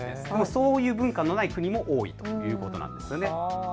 そういう文化のない国も多いということなんです。